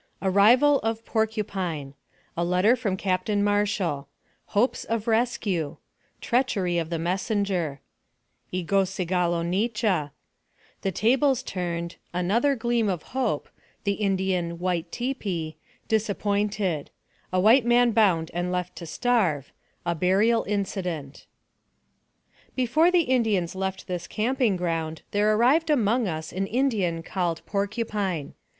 ARRIVAL OF k< PORCUPINE " A LETTER FROM CAPTAIN MARSHALL HOPES OF RESCUE TREACHERY OF THE MESSENGER EGOSEGALO rflCHA THE TABLES TURNED ANOTHER GLEAM OF HOPE THE INDIAN "WHITE TIPI " DISAPPOINTED A WHITE MAN BOUND AND LEFT TO STARVE A BURIAL INCIDENT. BEFORE the Indians left this camping ground, there arrived among us an Indian called Porcupine.